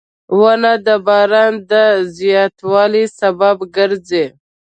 • ونه د باران د زیاتوالي سبب ګرځي.